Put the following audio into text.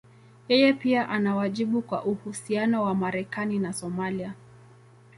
Yeye pia ana wajibu kwa uhusiano wa Marekani na Somalia.